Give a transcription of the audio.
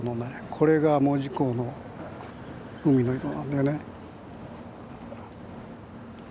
これが門司港の海の色なんだよね。